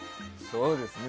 そうですね。